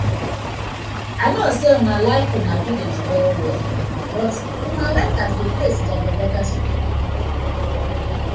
I no say una like una villag well well but una like as di place jagajaga so?